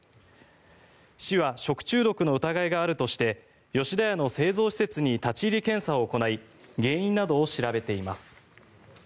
市は、食中毒の疑いがあるとして吉田屋の製造施設に立ち入り検査を行い原因などを調べています。